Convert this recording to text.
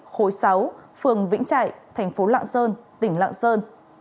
khối sáu phường vĩnh trại thành phố lạng sơn tỉnh lạng sơn